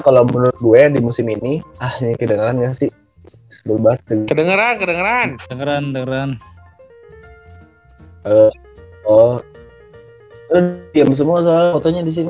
kalau menurut gue di musim ini ahnya kedengeran nggak sih sebelum batin kedengeran kedengeran